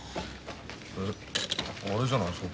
えっあれじゃないですか？